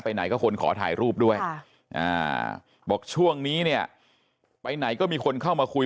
ไหนก็คนขอถ่ายรูปด้วยบอกช่วงนี้เนี่ยไปไหนก็มีคนเข้ามาคุย